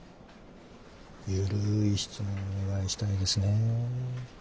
緩い質問をお願いしたいですね。